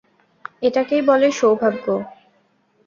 এটাকেই বলে সৌভাগ্য।